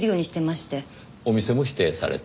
お店も指定された？